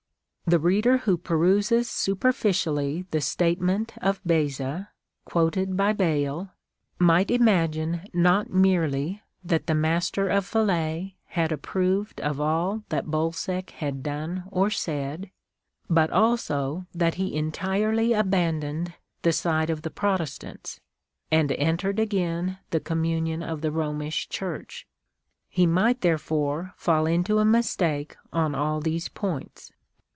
... The reader who peruses superficially the statement of Beza, quoted by Bayle, might imagine not merely that the Master of Falais had approved of all that Bolsec had done or said, but also that he entirely abandoned the side of the Protestants, and entered again the com munion of the Romish Church. He might, therefore, fall into a mistake on all these points.